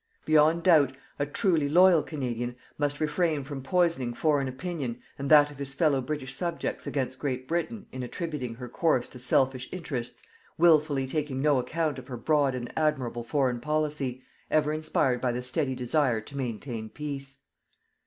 Beyond doubt, a truly loyal Canadian must refrain from poisoning foreign opinion and that of his fellow British subjects against Great Britain in attributing her course to selfish interests, wilfully taking no account of her broad and admirable foreign policy, ever inspired by the steady desire to maintain peace.